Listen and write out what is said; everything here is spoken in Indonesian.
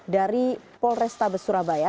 dari polrestabes surabaya